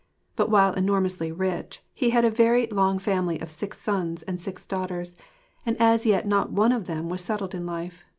But while enormously rich, he had a very long family of six sons and six daughters; and as yet not one of them was settled in life.